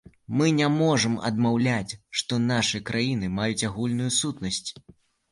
Мы не можам адмаўляць, што нашы краіны маюць агульную сутнасць.